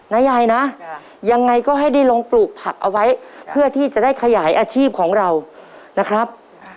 ยายนะยังไงก็ให้ได้ลงปลูกผักเอาไว้เพื่อที่จะได้ขยายอาชีพของเรานะครับ